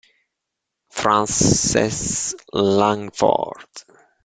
Frances Langford